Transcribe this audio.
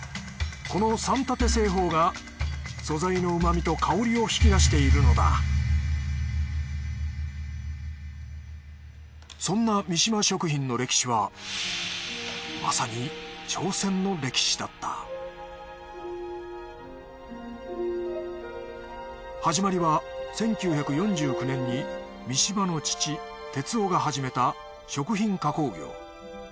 この３たて製法が素材の旨みと香りを引き出しているのだそんな三島食品の歴史はまさに挑戦の歴史だった始まりは１９４９年に三島の父哲男が始めた食品加工業。